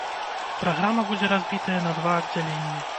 Праграма будзе разбітая на два аддзяленні.